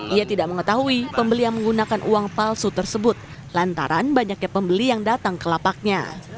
ia tidak mengetahui pembeli yang menggunakan uang palsu tersebut lantaran banyaknya pembeli yang datang ke lapaknya